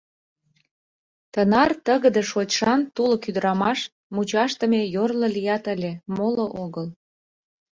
Тынар тыгыде шочшан тулык ӱдырамаш мучашдыме йорло лият ыле, моло огыл!